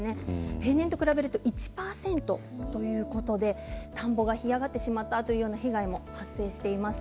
平年と比べると１％ということで田んぼが干上がってしまったという被害も発生しています。